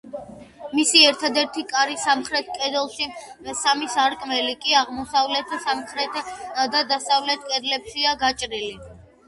მისი ერთადერთი კარი სამხრეთ კედელში, სამი სარკმელი კი აღმოსავლეთ, სამხრეთ და დასავლეთ კედლებშია გაჭრილი.